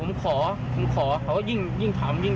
พอมันเกิดเรื่องอย่างนี้แล้วยังไงก็คือ